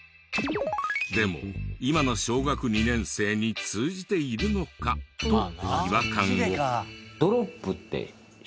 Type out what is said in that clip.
でも今の小学２年生に通じているのかと違和感を。